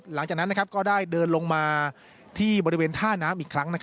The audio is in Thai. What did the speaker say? หลังจากนั้นก็ได้เดินลงมาที่บริเวณท่าน้ำอีกครั้ง